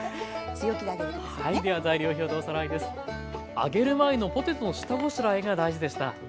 揚げる前のポテトの下ごしらえが大事でした。